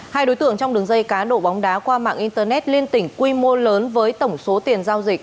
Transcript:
hai đối tượng trong đường dây cá độ bóng đá qua mạng internet liên tỉnh quy mô lớn với tổng số tiền giao dịch